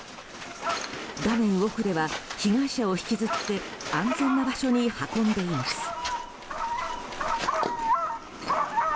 画面奥では、被害者を引きずって安全な場所に運んでいます。